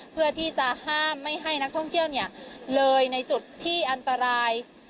เพื่อที่จะห้ามไม่ให้นักท่องเที่ยวเลยในจุดที่อันตราย